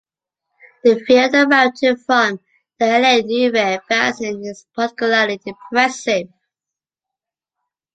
The view of the mountain from the L'A-Neuve basin is particularly impressive.